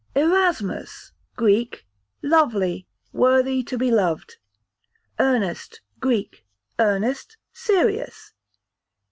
Erasmus, Greek, lovely, worthy to be loved. Ernest, Greek, earnest, serious.